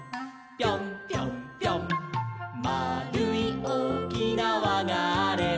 「まあるいおおきなわがあれば」